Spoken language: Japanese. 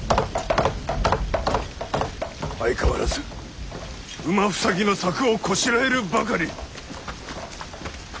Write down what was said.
相変わらず馬塞ぎの柵をこしらえるばかり。